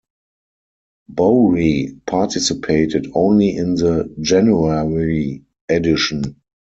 Bowrey participated only in the January edition.